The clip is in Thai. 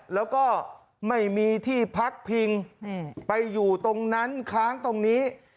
แล้วก็ไม่มีที่พักพิงไปอยู่ตรงนั้นค้างตรงนี้